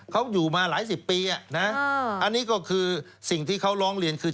เขาอยู่มาหลายสิบปีอ่ะนะอันนี้ก็คือสิ่งที่เขาร้องเรียนคือ